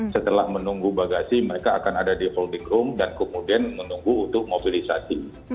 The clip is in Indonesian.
setelah menunggu bagasi mereka akan ada di holding room dan kemudian menunggu untuk mobilisasi